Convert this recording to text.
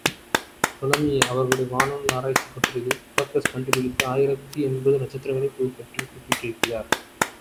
டோலமியே, அவருடைய வானநூல் ஆராய்ச்சிக் கட்டுரைகளிலே, ஹிப்பார்க்கஸ் கண்டு பிடித்த ஆயிரத்து எண்பது நட்சத்திரங்களைப் பற்றியும் குறிப்பிட்டிருக்கிறார்.